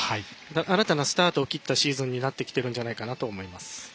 新たなスタートを切ったシーズンになってきているんじゃないかと思います。